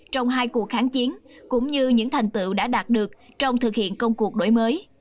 trong hai cuộc kháng chiến cũng như những thành tựu đã đạt được trong thực hiện công cuộc đổi mới